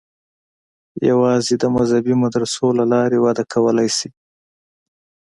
یوازې د مذهبي مدرسو له لارې وده کولای شي.